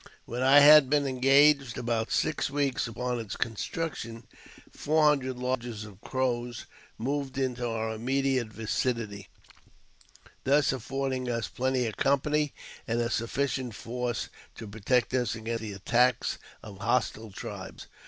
When I had been engaged about six weeks upon its construction, four hundred lodges of Crows moved into our immediate vicinity, thus affording us plenty of company, and a sufficient force to protect us against the attacks of hostile tribes.